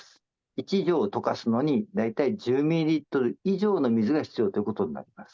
１錠溶かすのに、大体１０ミリリットル以上の水が必要ということになります。